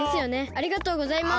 ありがとうございます。